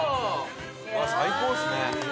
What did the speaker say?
最高ですね。